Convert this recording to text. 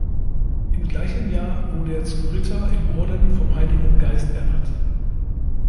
Im gleichen Jahr wurde er zum Ritter im Orden vom Heiligen Geist ernannt.